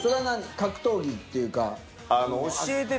格闘技っていうか。